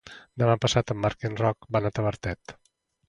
Demà passat en Marc i en Roc van a Tavertet.